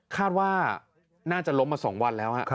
คาดว่าน่าจะล้มมา๒วันแล้ว